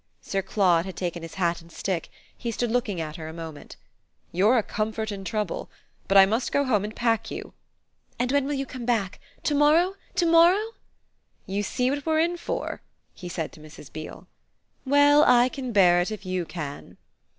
Sir Claude had taken his hat and stick; he stood looking at her a moment. "You're a comfort in trouble! But I must go home and pack you." "And when will you come back? to morrow, to morrow?" "You see what we're in for!" he said to Mrs. Beale. "Well, I can bear it if you can."